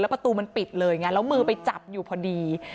ประตูมันปิดเลยไงแล้วมือไปจับอยู่พอดี